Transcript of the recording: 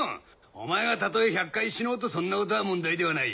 お前がたとえ１００回死のうとそんなことは問題ではない！